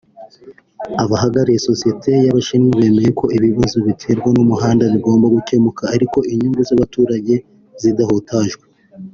Abahagarariye Sosiyete y’Abashinwa bemeye ko ibibazo biterwa n’umuhanda bigomba gukemuka ariko inyungu z’abaturage zidahutajwe